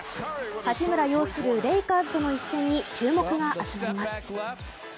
八村擁するレイカーズとの一戦に注目が集まります。